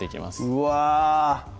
うわ